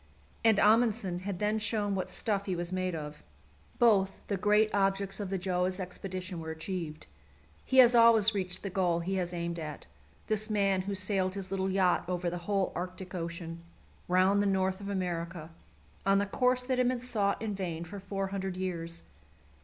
And Amundsen had then shown what stuff he was made of: both the great objects of the Gjöa's expedition were achieved. He has always reached the goal he has aimed at, this man who sailed his little yacht over the whole Arctic Ocean, round the north of America, on the course that had been sought in vain for four hundred years.